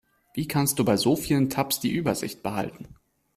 Wie kannst du bei so vielen Tabs die Übersicht behalten?